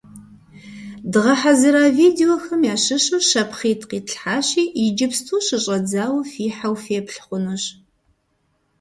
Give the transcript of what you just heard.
Дгъэхьэзыра видеохэм ящыщу щапхъитӀ къитлъхьащи, иджыпсту щыщӀэдзауэ фихьэу феплъ хъунущ.